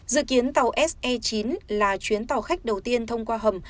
dự kiến tàu se chín là chuyến tàu khách đầu tiên thông qua hầm